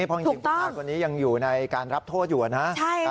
ถูกต้องคุณผู้ชายคนนี้ยังอยู่ในการรับโทษอยู่อ่ะนะใช่ค่ะ